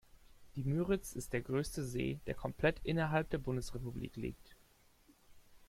Die Müritz ist der größte See, der komplett innerhalb der Bundesrepublik liegt.